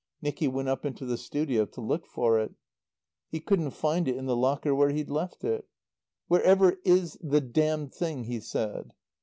Nicky went up into the studio to look for it. He couldn't find it in the locker where he'd left it. "Wherever is the damned thing?" he said.